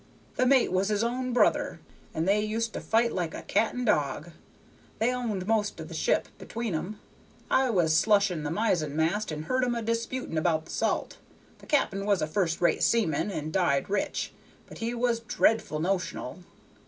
The mate was his own brother, and they used to fight like a cat and dog; they owned most of the ship between 'em. I was slushing the mizzen mast, and heard 'em a disputin' about the salt. The cap'n was a first rate seaman and died rich, but he was dreadful notional.